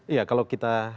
iya kalau kita